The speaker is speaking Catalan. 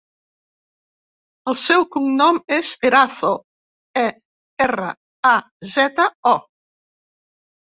El seu cognom és Erazo: e, erra, a, zeta, o.